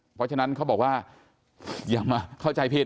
เพราะฉะนั้นเขาบอกว่าอย่ามาเข้าใจผิด